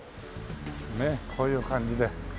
ねっこういう感じで。